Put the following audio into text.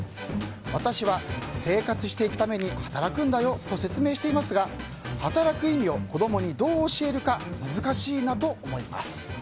私は生活していくために働くんだよと説明していますが働く意味を、子供にどう教えるか難しいなと思います。